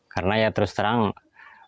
karena ya terus terang bingungnya